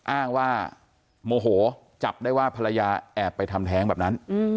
อ้างว่าโมโหจับได้ว่าภรรยาแอบไปทำแท้งแบบนั้น